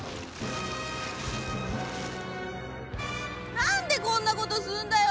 何でこんなことすんだよ！